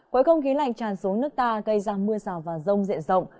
khối không khí lạnh tràn xuống nước ta gây ra mưa rào và rông diện rộng